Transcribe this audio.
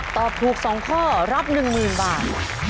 ตอบถูก๒ข้อรับ๑๐๐๐บาท